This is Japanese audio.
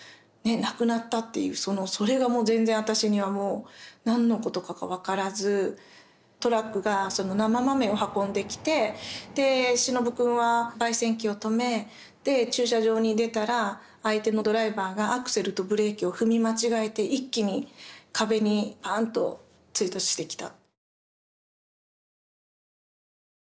亡くなったっていうそれがもう全然私には何のことかが分からずトラックが生豆を運んできて忍くんはばい煎機を止め駐車場に出たら相手のドライバーがアクセルとブレーキを踏み間違えて一気に壁にパーンと追突してきた。